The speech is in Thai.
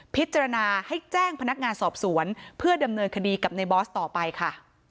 พิจารณาให้แจ้งพนักงานสอบสวนเพื่อดำเนินคดีกับในบอสต่อไปค่ะ